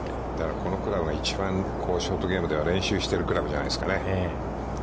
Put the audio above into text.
だから、このクラブが一番、ショートゲームでは練習しているクラブじゃないですかね。